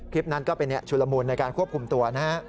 คลิปนั้นก็เป็นชุลมูลในการควบคุมตัวนะฮะ